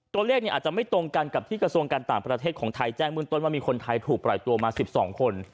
อาจจะไม่ตรงกันกับที่กระทรวงการต่างประเทศของไทยแจ้งเบื้องต้นว่ามีคนไทยถูกปล่อยตัวมา๑๒คน